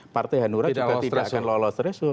partai hanura juga tidak akan lolos threshold